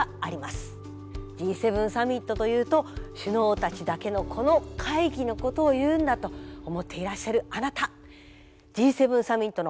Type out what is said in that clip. Ｇ７サミットというと首脳たちだけのこの会議のことを言うんだと思っていらっしゃるあなたＧ７サミットの本当の形をお見せしましょう。